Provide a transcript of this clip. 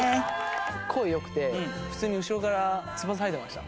声良くて普通に後ろから翼生えてました。